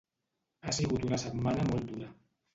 Ha sigut una setmana molt dura.